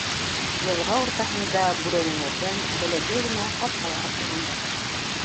Йылға уртаһында бүрәнәләрҙән бәләкәй генә ҡапҡа яһап ҡуйғандар.